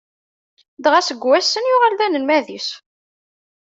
Dɣa seg wass-n yuɣal d anelmad-is.